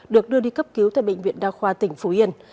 được đưa đi cấp cứu tại bệnh viện đa khoa tỉnh phú yên